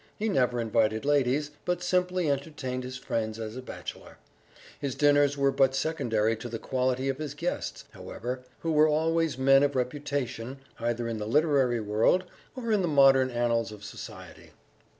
He never invited ladies, but simply entertained his friends as a bachelor; his dinners were but secondary to the quality of his guests, however, who were always men of reputation either in the literary world, or in the modern annals of society.